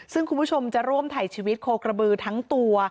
ซึ่งคุณผู้ชมจะร่วมถ่ายชีวิตโคกระบือทั้งตัว